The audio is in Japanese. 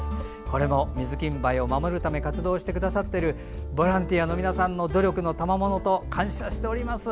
これもミズキンバイを守るため活動してくださっているボランティアの皆さんの努力のたまものと感謝しております。